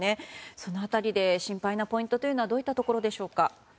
その辺りで心配なポイントはどういったところでしょうか。